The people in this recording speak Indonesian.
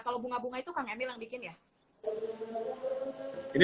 kalau bunga bunga itu kang emil yang bikin ya